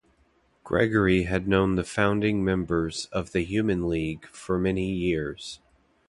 Gregory had known the founding members of the Human League for many years.